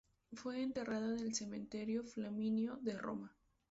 Fue enterrado en el Cementerio Flaminio de Roma.